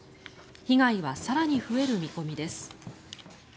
被害は更に増える見込みです。